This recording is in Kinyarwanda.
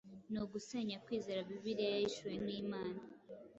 ni ugusenya kwizera Bibiliya yahishuwe n’Imana.